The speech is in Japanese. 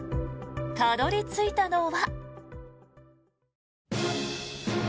たどり着いたのは。